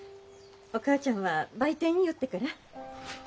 お母ちゃんは売店寄ってから。